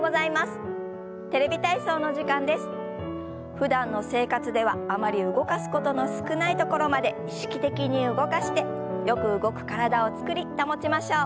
ふだんの生活ではあまり動かすことの少ないところまで意識的に動かしてよく動く体を作り保ちましょう。